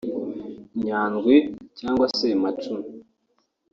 Nyandwi cyangwa se Macumi